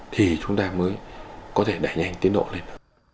thì chúng ta mới có thể đẩy nhanh tiến độ lên